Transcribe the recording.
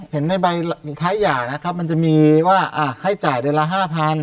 เห็นในใบคล้ายหย่านะครับมันจะมีว่าให้จ่ายเดือนละ๕๐๐